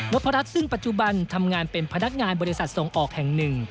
พรัชซึ่งปัจจุบันทำงานเป็นพนักงานบริษัทส่งออกแห่งหนึ่ง